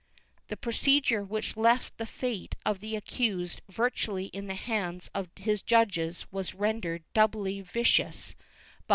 The procedure which left the fate of the accused vir tually in the hands of his judges was rendered doubly vicious by * Strype's Memorials, II, 214 15.